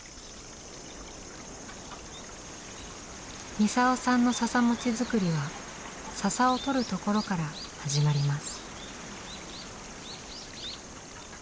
ミサオさんの笹餅作りは笹を採るところから始まります。